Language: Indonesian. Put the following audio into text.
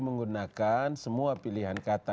menggunakan semua pilihan kata